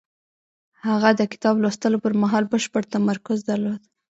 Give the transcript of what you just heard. هغه د کتاب لوستلو پر مهال بشپړ تمرکز درلود.